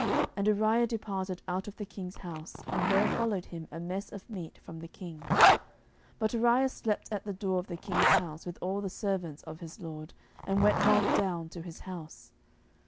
And Uriah departed out of the king's house, and there followed him a mess of meat from the king. 10:011:009 But Uriah slept at the door of the king's house with all the servants of his lord, and went not down to his house.